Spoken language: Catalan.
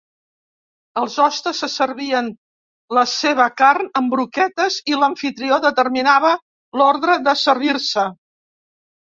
Els hostes se servien la seva carn en broquetes i l'amfitrió determinava l'ordre de servir-se.